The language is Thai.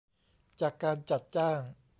จากการจัดจ้าง